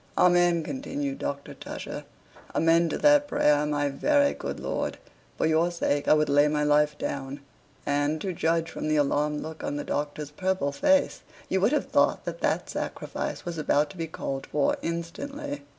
"Amen," continued Dr. Tusher. "Amen to that prayer, my very good lord! for your sake I would lay my life down" and, to judge from the alarmed look of the Doctor's purple face, you would have thought that that sacrifice was about to be called for instantly.